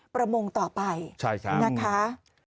ประมงต่อไปนะคะ